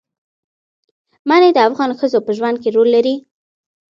منی د افغان ښځو په ژوند کې رول لري.